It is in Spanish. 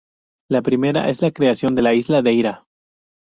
La primera es la creación de Isla Deira.